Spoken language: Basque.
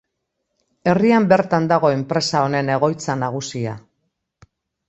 Herrian bertan dago enpresa honen egoitza nagusia.